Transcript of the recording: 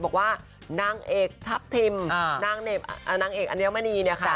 บอกว่านางเอกทัพทิมนางเอกอัญมณีเนี่ยค่ะ